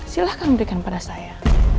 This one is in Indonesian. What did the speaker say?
silahkan berikan pada saya